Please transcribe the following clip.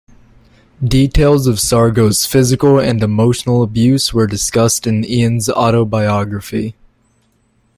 Details of Sargo's physical and emotional abuse were discussed in Ian's autobiography.